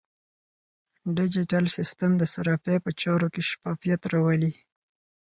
ډیجیټل سیستم د صرافۍ په چارو کې شفافیت راولي.